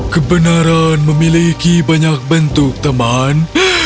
kebenaran memiliki banyak bentuk teman